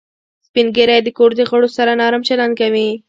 سپین ږیری د کور د غړو سره نرم چلند کوي